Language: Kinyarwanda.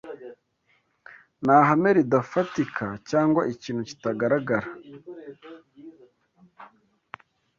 Nta hame ridafatika, cyangwa ikintu kitagaragara